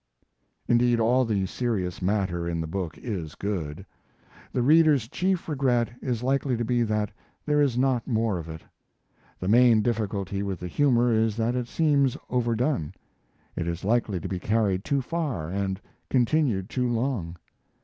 Indeed, all the serious matter in the book is good. The reader's chief regret is likely to be that there is not more of it. The main difficulty with the humor is that it seems overdone. It is likely to be carried too far, and continued too long.